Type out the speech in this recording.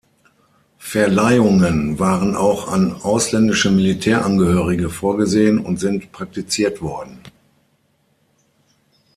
Verleihungen waren auch an ausländische Militärangehörige vorgesehen und sind praktiziert worden.